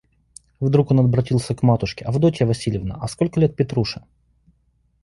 Вдруг он обратился к матушке: «Авдотья Васильевна, а сколько лет Петруше?»